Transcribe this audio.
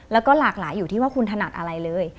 แล้วก็หลากหลายอยู่ที่ว่าคุณถนัดอะไรเลย